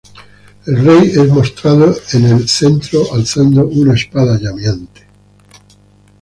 El rey es mostrado en el centro alzando una espada llameante.